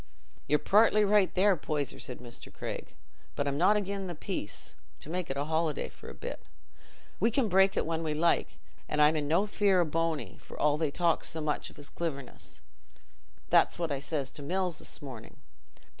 "Ye're partly right there, Poyser," said Mr. Craig, "but I'm not again' the peace—to make a holiday for a bit. We can break it when we like, an' I'm in no fear o' Bony, for all they talk so much o' his cliverness. That's what I says to Mills this morning.